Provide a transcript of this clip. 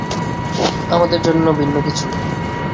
আমাদের জন্য ভিন্ন কিছু।